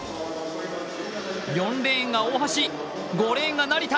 ４レーンが大橋、５レーンが成田。